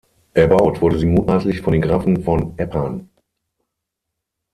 Erbaut wurde sie mutmaßlich von den Grafen von Eppan.